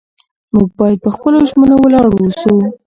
موږ باید په خپلو ژمنو ولاړ واوسو